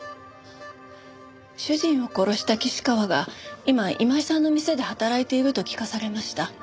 主人を殺した岸川が今今井さんの店で働いていると聞かされました。